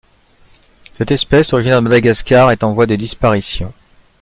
Cette espèce, originaire de Madagascar, est en voie de disparition.